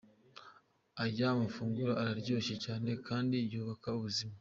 Aya mafunguro araryoshye cyane kandi yubaka ubuzima.